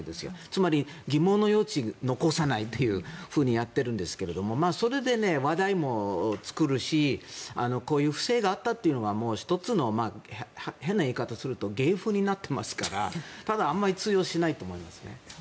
つまり疑問の余地を残さないというふうにやっているんですがそれで話題も作るしこういう不正があったというのが１つの変な言い方をすると芸風になっていますからただあまり通用しないと思います。